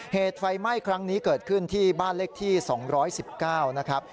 เหตุไฟไหม้ครั้งนี้เกิดขึ้นที่บ้านเลขที่๒๑๙นะครับ